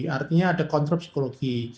artinya ada kontrol psikologi